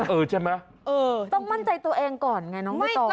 เออใช่ไหมต้องมั่นใจตัวเองก่อนไงน้องใบตอง